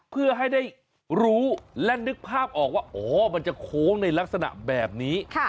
เพื่อให้ได้รู้และนึกภาพออกว่าอ๋อมันจะโค้งในลักษณะแบบนี้